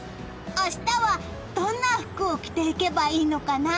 明日は、どんな服を着ていけばいいのかな？